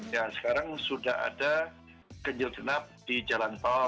ya sekarang sudah ada kejil jenap di jalan tol